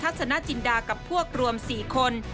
สนจินดากับพวกรวม๔คน